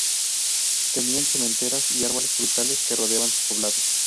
Tenían cementeras y árboles frutales que rodeaban sus poblados.